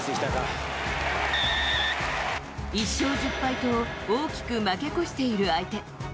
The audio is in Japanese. １勝１０敗と大きく負け越している相手。